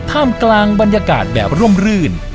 ท่ามกลางบรรยากาศแบบร่มรื่น